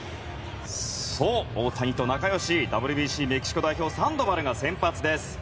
そう、大谷と仲良しＷＢＣメキシコ代表のサンドバルが先発です。